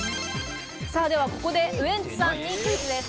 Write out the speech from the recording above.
ではここでウエンツさんにクイズです。